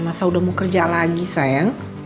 masa udah mau kerja lagi sayang